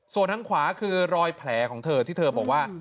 ส่วนทางขวาคือรอยแผลของเธอที่เธอบอกว่า